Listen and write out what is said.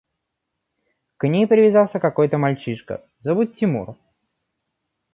– К ней привязался какой-то мальчишка, зовут Тимур.